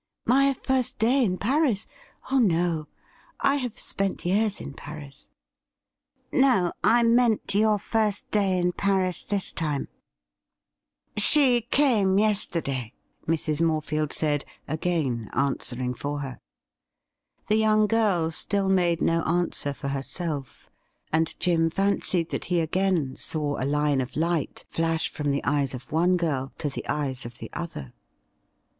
' My first day in Paris ? Oh no ! I have spent years in" Paris.' ' No — I meant your first day in Paris this time.' 64 THE RIDDLE RING ' She came yesterday,' Mrs. Morefield said, again answer ing for her. The young girl still made no answer for herself, and Jim fancied that he again saw a line of light flash from the eyes of one girl to the eyes of the other.